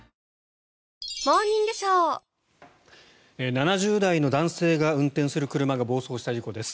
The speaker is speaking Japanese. ⁉７０代の男性が運転する車が暴走した事故です。